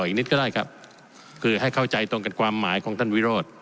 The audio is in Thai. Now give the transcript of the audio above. อีกนิดก็ได้ครับคือให้เข้าใจตรงกันความหมายของท่านวิโรธ